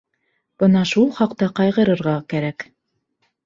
Бына шул хаҡта ҡайғырырға кәрәк!